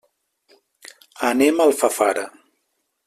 Anem a Alfafara.